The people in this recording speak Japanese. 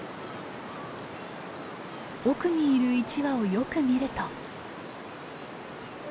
奥にいる１羽をよく見ると。